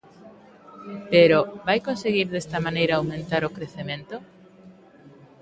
Pero, ¿vai conseguir desta maneira aumentar o crecemento?